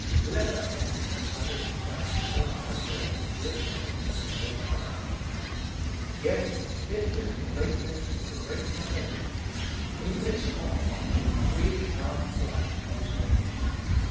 Let us enter the study of Christ's person and work in the Epistle in this faith. Yes, this is the greatness of the great salvation — in its offer THE THREE ONE GOD comes to us.